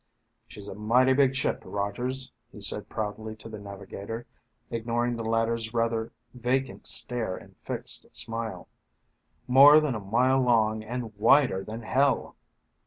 "She's a mighty big ship, Rogers," he said proudly to the navigator, ignoring the latter's rather vacant stare and fixed smile. "More than a mile long, and wider than hell."